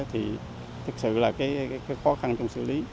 thì thực sự là khó khăn trong xử lý